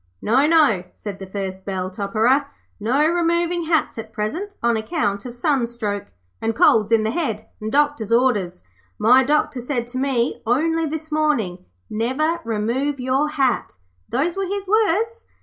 'No, no,' said the first bell topperer. 'No removing hats at present on account of sunstroke, and colds in the head, and doctor's orders. My doctor said to me only this morning, "Never remove your hat." Those were his words.